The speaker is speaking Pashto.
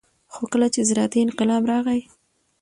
خو کله چې زراعتي انقلاب راغى